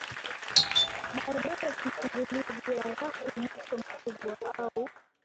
barabara zinafunguliwa juu ya barafu ya mito mikubwa au